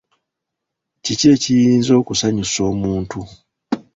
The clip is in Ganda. Kiki ekiyinza okusanyusa omuntu?